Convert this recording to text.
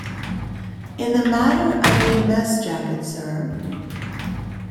In the matter of your mess-jacket, sir.